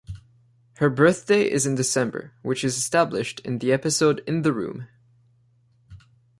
Her birthday is in December, which is established in the episode "In the Room".